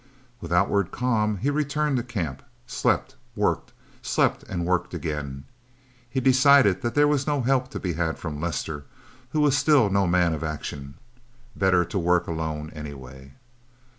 With outward calm he returned to camp, slept, worked, slept and worked again. He decided that there was no help to be had from Lester, who was still no man of action. Better to work alone, anyway.